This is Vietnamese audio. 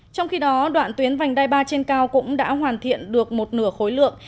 trong khi đó đoạn tuyến vành đai ba trên cao cũng đã hoàn thiện được một nửa khối lượng